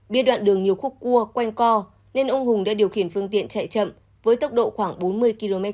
biết đoạn đường nhiều khúc cua quen co nên ông hùng đã điều khiển phương tiện chạy chậm với tốc độ khoảng bốn mươi km hai